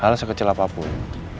hal sekecil apapun